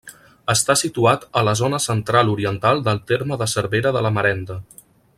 Està situat a la zona central-oriental del terme de Cervera de la Marenda.